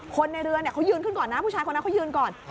คนในเรือเนี่ยเขายืนขึ้นก่อนนะผู้ชายคนนั้นเขายืนก่อน